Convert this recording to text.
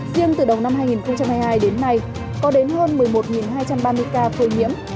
riêng từ đầu năm hai nghìn hai mươi hai đến nay có đến hơn một mươi một hai trăm ba mươi ca phơi nhiễm